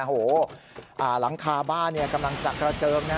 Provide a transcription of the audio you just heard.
หลังคาบ้านกำลังจักรเจิม